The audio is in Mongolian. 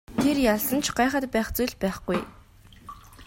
Тэр ялсан ч гайхаад байх зүйл байхгүй.